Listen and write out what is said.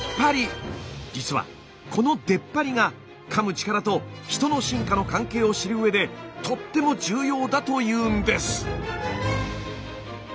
実はこの出っ張りがかむ力と人の進化の関係を知る上でとっても重要だというんです。